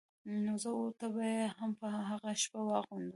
نو زه او ته به يې هم په هغه شپه واغوندو.